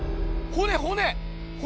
骨骨！